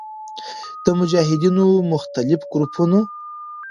د مجاهدینو مختلف ګروپونو